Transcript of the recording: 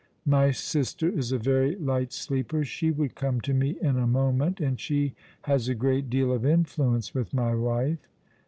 My sister is a very light sleeper. She would come to me in a moment, and she has a great deal of influence with my wife."